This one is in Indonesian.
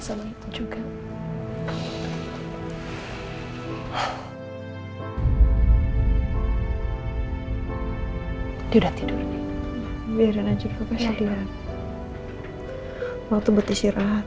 sama itu juga tidak tidur di biaran juga pasal dia waktu beristirahat